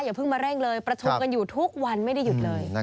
เพิ่งมาเร่งเลยประชุมกันอยู่ทุกวันไม่ได้หยุดเลย